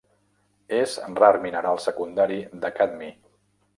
És rar mineral secundari de cadmi.